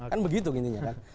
kan begitu intinya kan